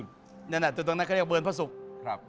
ตรงนั้นเขาเรียกว่าเบิร์นพระศุกร์